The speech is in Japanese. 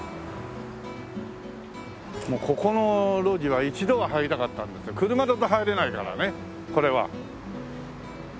ここの路地は一度は入りたかったんだけど車だと入れないからねこれは。